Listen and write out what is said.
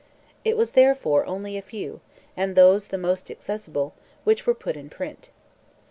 It was therefore only a few, and those the most accessible, which were put in print.